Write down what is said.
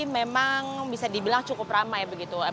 memang bisa dibilang cukup ramai begitu